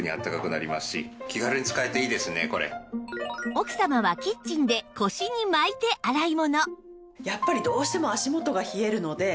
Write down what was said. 奥様はキッチンで腰に巻いて洗い物